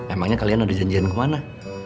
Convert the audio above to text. emangnya kalian ada janjian kemana